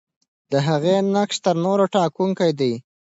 د هغې نقش تر نورو ټاکونکی دی.